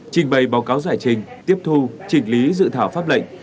trình bày báo cáo giải trình tiếp thu trình lý dự thảo pháp lệnh